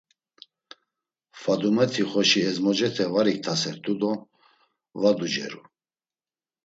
Fadumeti xoşi ezmocete var iktasert̆u do va duceru.